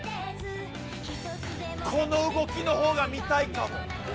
この動きの方が見たいかも。